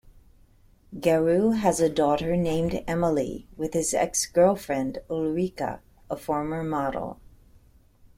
Garou has a daughter named Emelie, with his ex-girlfriend, Ulrika, a former model.